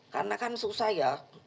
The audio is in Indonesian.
karena kan susah ya